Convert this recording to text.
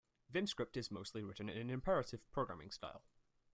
Vim script is mostly written in an imperative programming style.